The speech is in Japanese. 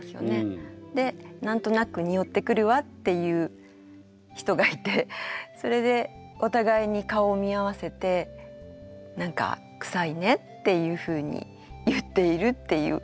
で何となくにおってくるわっていう人がいてそれでお互いに顔を見合わせて「何かくさいね」っていうふうに言っているっていう花見のシーンです。